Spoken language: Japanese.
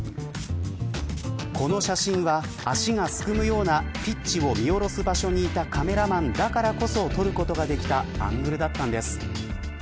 この写真は足がすくむようなピッチを見下ろす場所にいたカメラマンだからこそ撮ることができたアングルだったんです。